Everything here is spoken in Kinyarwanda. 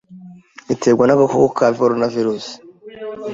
iterwa n’agakoko ka Coronavirus.